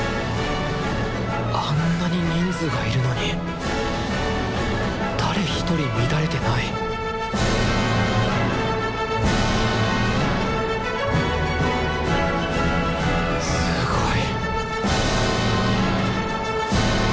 あんなに人数がいるのに誰一人乱れてないすごい！